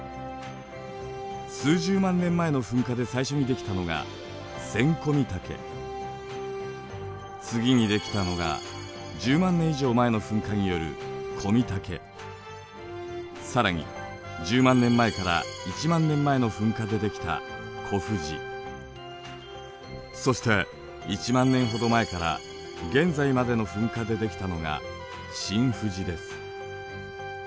数十万年前の噴火で最初に出来たのが次に出来たのが１０万年以上前の噴火による更に１０万年前から１万年前の噴火で出来たそして１万年ほど前から現在までの噴火で出来たのが新富士です。